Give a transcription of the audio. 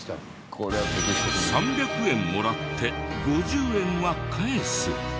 ３００円もらって５０円は返す。